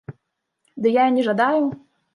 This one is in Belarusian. Ды я і не жадаю.